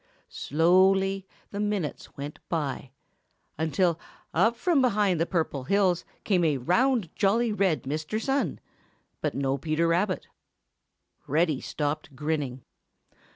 Slowly the minutes went by, until up from behind the Purple Hills came jolly, round, red Mr. Sun but no Peter Rabbit. Reddy stopped grinning.